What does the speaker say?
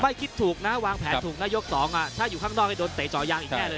ไม่คิดถูกนะวางแผนถูกนะยกสองอ่ะถ้าอยู่ข้างนอกให้โดนเตะเจาะยางอีกแน่เลย